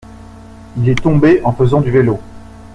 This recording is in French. Il est tombé en faisant du vélo.